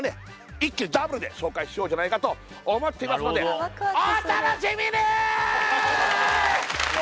一気にダブルで紹介しようじゃないかと思っていますのであ